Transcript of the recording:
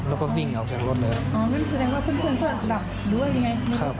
แล้วก็วิ่งออกจากรถเลยอ๋อนั่นแสดงว่าเพื่อนเพื่อนก็หลับด้วยไง